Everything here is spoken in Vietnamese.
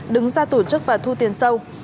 đứng ra tổ chức và thu tiền sâu